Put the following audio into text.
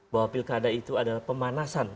bahwa pilkada itu adalah pemanasan